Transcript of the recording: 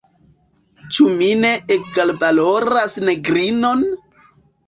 Ĉu mi ne egalvaloras negrinon?